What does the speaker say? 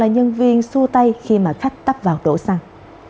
nhân viên xua tay khi mà khách tắp vào đổ xăng